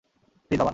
Please, বাবা।